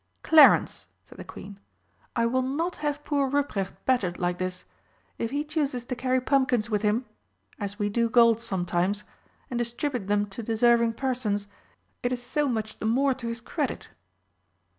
"Clarence," said the Queen, "I will not have poor Ruprecht badgered like this. If he chooses to carry pumpkins with him as we do gold sometimes and distribute them to deserving persons, it is so much the more to his credit."